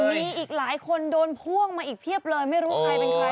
มีอีกหลายคนโดนพ่วงมาอีกเพียบเลยไม่รู้ใครเป็นใคร